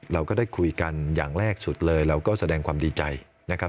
เราก็ได้คุยกันอย่างแรกสุดเลยเราก็แสดงความดีใจนะครับ